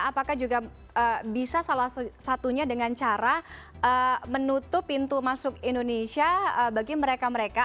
apakah juga bisa salah satunya dengan cara menutup pintu masuk indonesia bagi mereka mereka